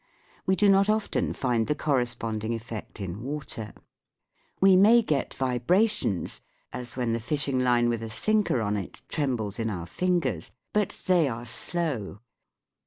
We do not often find the corresponding effect in water ; we may get vibrations, as when the fishing line with a sinker on it trembles in our fingers ; but they are slow.